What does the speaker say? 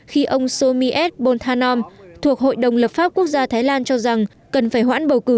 khi ông somiet boltanom thuộc hội đồng lập pháp quốc gia thái lan cho rằng cần phải hoãn bầu cử